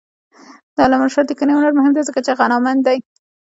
د علامه رشاد لیکنی هنر مهم دی ځکه چې غنامند دی.